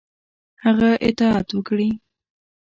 هغه اطاعت وکړي.